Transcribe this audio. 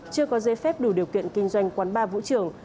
chưa có dế phép đủ điều kiện kinh doanh quán ba vũ trường